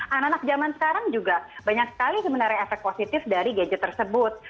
anak anak zaman sekarang juga banyak sekali sebenarnya efek positif dari gadget tersebut